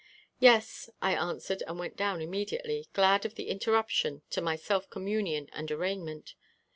"Yes," I answered, and went down immediately, glad of the interruption to my self communion and arraignment.